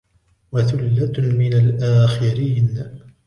وثلة من الآخرين